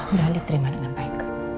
udah diterima dengan baik